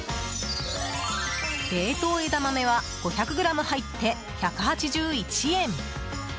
冷凍枝豆は５００ｇ入って１８１円。